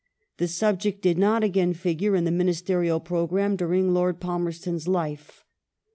The subject did not again figure in the ministeiial programme during Lord Palmer ston's life.